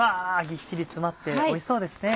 ぎっしり詰まっておいしそうですね。